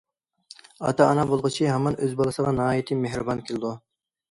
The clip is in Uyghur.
ئاتا- ئانا بولغۇچى ھامان ئۆز بالىسىغا ناھايىتى مېھرىبان كېلىدۇ.